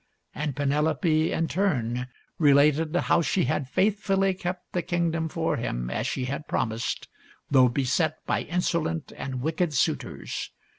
And Penelope, in turn, related how she had faith fully kept the kingdom for him, as she had prom ised, though beset by insolent and wicked suitors.